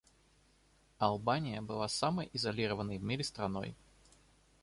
Албания была самой изолированной в мире страной.